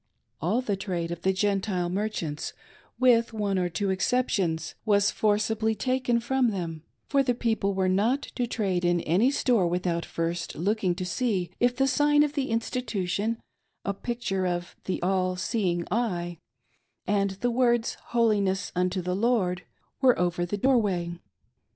All the trade of the Gentile merchants — with one or two exceptions — was forcibly taken from them, for the people were not to trade in any store without first looking to see if the sign of the Insti tution— a picture of " The All seeing Eye," and the words " Holiness Unto the Lord "— were over the door way.